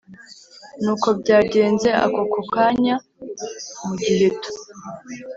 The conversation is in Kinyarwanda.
Nuko byagenze akokokanya mu giheto